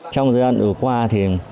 trong giai đoạn vừa qua thì